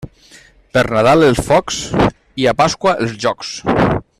Per Nadal els focs i a Pasqua els jocs.